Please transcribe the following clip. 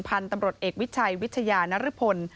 พันธุ์ตำรวจเอกวิชัยวิทยานรพล